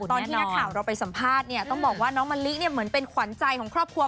ตอนที่นักข่าวเราไปสัมภาษณ์เนี่ยต้องบอกว่าน้องมะลิเนี่ยเหมือนเป็นขวัญใจของครอบครัว